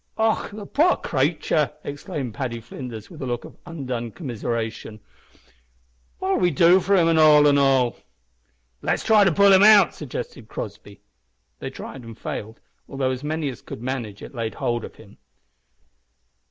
"Och! the poor cratur," exclaimed Paddy Flinders, with a look of overdone commiseration, "what'll we do for 'im at all at all?" "Let's try to pull him out," suggested Crossby. They tried and failed, although as many as could manage it laid hold of him.